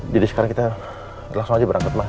jadi sekarang kita langsung aja berangkat ma